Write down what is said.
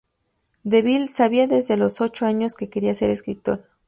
Deville sabía desde los ocho años que quería ser escritor.